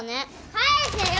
返せよ！